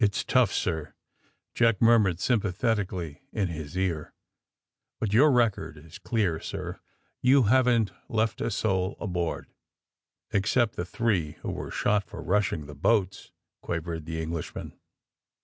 141 AND THE SMUGGLEES 143 ^^It's tough, sir/' Jack murnnired, sympa thetically in his ear. ^^Bnt yonr record is clear, sir. Yon haven't left a sonl aboard!" ^* Except the three who were shot for rnshing the boats," quavered the Englishman.